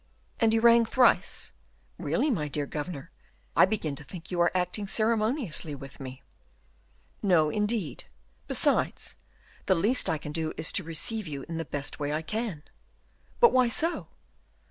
"And you rang thrice. Really, my dear governor, I begin to think you are acting ceremoniously with me." "No, indeed. Besides, the least I can do is to receive you in the best way I can." "But why so?"